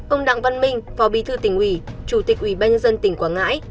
ông đặng văn minh phó bí thư tỉnh ủy chủ tịch ủy ban nhân dân tỉnh quảng ngãi